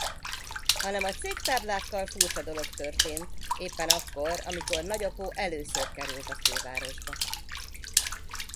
Hanem a cégtáblákkal furcsa dolog történt, éppen akkor, amikor nagyapó először került a fővárosba.